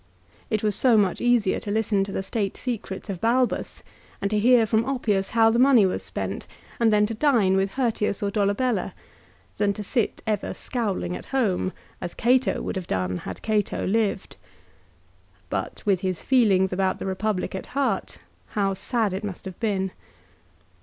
It was so much easier to listen to the state secrets of Balbus, and hear from Oppius how the money was spent, and then to dine with Hirtius or Dolabella, than to sit ever scowling at home, as Cato would have done had Cato lived. But with his feelings about the Republic at heart, how sad it must have been